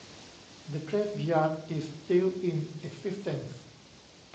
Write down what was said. The graveyard is still in existence.